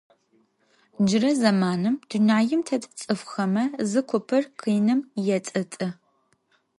Джырэ зэманым, дунаим тет цӏыфхэмэ, зы купыр къиным ецӏыцӏы.